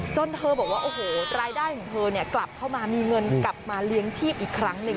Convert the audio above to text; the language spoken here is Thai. เธอบอกว่าโอ้โหรายได้ของเธอเนี่ยกลับเข้ามามีเงินกลับมาเลี้ยงชีพอีกครั้งหนึ่ง